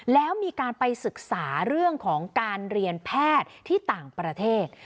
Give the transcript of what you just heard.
แล้วมีการไปศึกษาเรื่องของการเรียนแพทย์ที่ต่างประเทศ